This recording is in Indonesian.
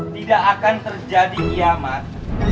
tidak akan terjadi iamat